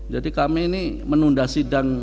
jadi kami ini menunda sidang